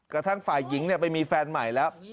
กระทั่งฝ่ายหญิงไปมีแฟนใหม่แล้ว